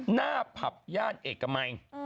หน้าผับญาติเอกมัย